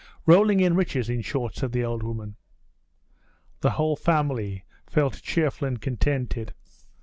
'Rolling in riches, in short,' said the old woman. The whole family felt cheerful and contented.